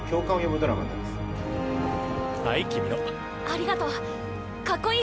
ありがとう。